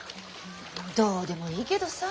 どうでもいいけどさ。